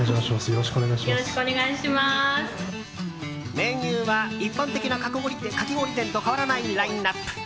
メニューは、一般的なかき氷店と変わらないラインアップ。